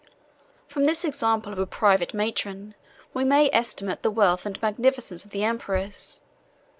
From this example of a private matron, we may estimate the wealth and magnificence of the emperors.